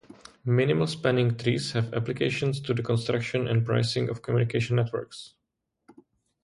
Minimal spanning trees have applications to the construction and pricing of communication networks.